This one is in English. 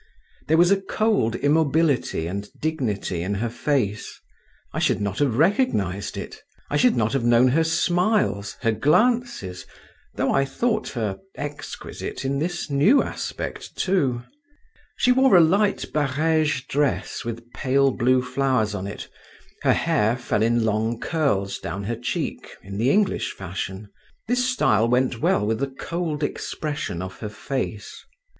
There was a cold immobility and dignity in her face. I should not have recognised it; I should not have known her smiles, her glances, though I thought her exquisite in this new aspect too. She wore a light barége dress with pale blue flowers on it; her hair fell in long curls down her cheek in the English fashion; this style went well with the cold expression of her face.